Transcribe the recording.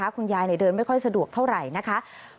คุณยายเดินไม่ค่อยสะดวกเท่าไหร่นะคะ